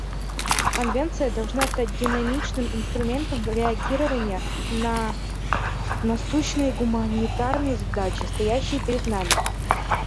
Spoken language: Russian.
Конвенция должна стать динамичным инструментом реагирования на насущные гуманитарные задачи, стоящие перед нами.